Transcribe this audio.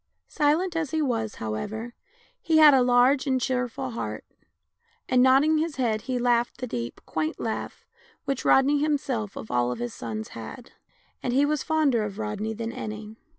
Silent as he was, however, he had a large and cheerful heart, and nod ding his head he laughed the deep, quaint laugh which Rodney himself of all his sons had — and he was fonder of Rodney than any.